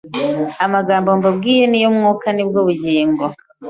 amagambo mbabwiye ni yo Mwuka ni bwo bugingo